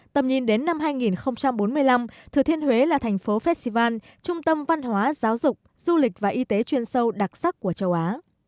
tầm nhìn đến năm hai nghìn bốn mươi năm thừa thiên huế là thành phố festival trung tâm văn hóa giáo dục du lịch và y tế chuyên sâu đặc sắc của châu á